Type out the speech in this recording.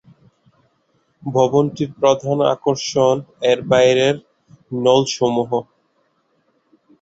ভবনটির প্রধান আকর্ষণ এর বাইরের নলসমুহ।